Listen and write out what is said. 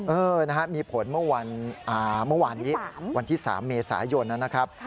เออนะฮะมีผลเมื่อวานนี้วันที่๓เมษายนนะครับ